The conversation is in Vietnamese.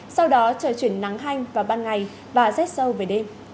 sau đó trời chuyển nắng hanh vào ban ngày và rét sâu về đêm